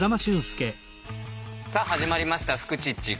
さあ始まりました「フクチッチ」。